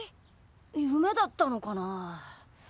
夢だったのかな？